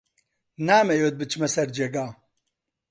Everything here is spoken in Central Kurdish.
نامەوێت بچمە سەر جێگا.